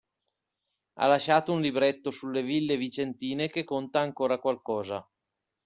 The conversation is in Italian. Ha lasciato un libretto sulle ville vicentine che conta ancora qualcosa".